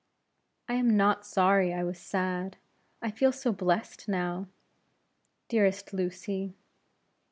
I am not sorry I was sad, I feel so blessed now. Dearest Lucy!